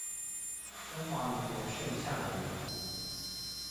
中華民國剩下的領土